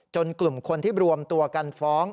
กลุ่มคนที่รวมตัวกันฟ้อง